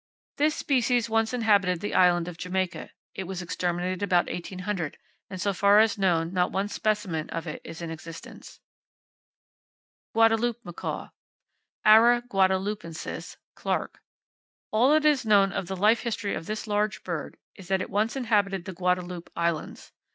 —This species once inhabited the Island of Jamaica. It was exterminated about 1800, and so far as known not one specimen of it is in existence. Guadeloupe Macaw, —Ara guadeloupensis, (Clark).—All that is known of the life history of this large bird is that once it inhabited the Guadeloupe Islands.